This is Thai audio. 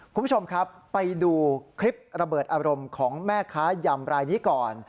คุณผู้ชมครับไปดูคลิประเบิดอารมณ์ของแม่ค้ายำรายนี้ก่อน